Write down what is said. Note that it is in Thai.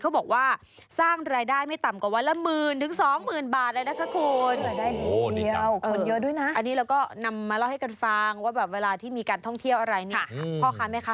เขาบอกว่าสร้างรายได้ไม่ต่ำกว่าวันละ๑๐๐๐๐๒๐๐๐๐บาทเลยนะคุณ